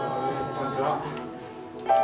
こんにちは。